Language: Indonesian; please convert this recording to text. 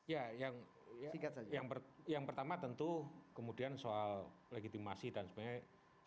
ya yang pertama tentu kemudian soal legitimasi dan sebagainya